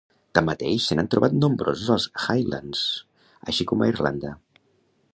Tanmateix, se n'han trobat nombrosos als Highlands, així com a Irlanda.